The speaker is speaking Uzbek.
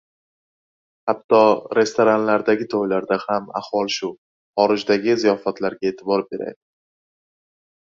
Hatto restoranlardagi to‘ylarda ham ahvol shu. Horijdagi ziyofatlarga e’tibor beraylik.